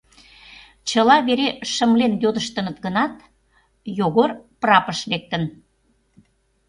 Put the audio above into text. Чыла вере шымлен йодыштыныт гынат, Йогор прапыш лектын.